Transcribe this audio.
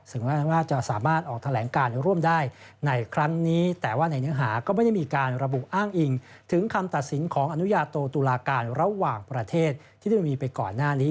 แม้ว่าจะสามารถออกแถลงการร่วมได้ในครั้งนี้แต่ว่าในเนื้อหาก็ไม่ได้มีการระบุอ้างอิงถึงคำตัดสินของอนุญาโตตุลาการระหว่างประเทศที่ได้มีไปก่อนหน้านี้